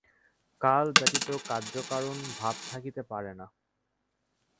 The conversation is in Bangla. কাল ব্যতীত কার্যকারণ-ভাব থাকিতে পারে না।